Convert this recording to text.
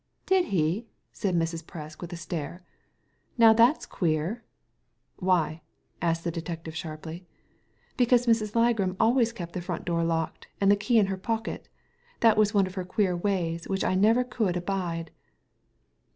"Did he?" said Mrs, Presk, with a stare; "now that's queer." " Why ?" asked the detective, sharply. " Because Miss Ligram always kept the front door locked, and the key in her pocket That was one of her queer ways which I never could abide."